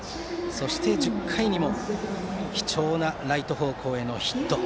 そして、１０回にも貴重なライト方向へのヒット。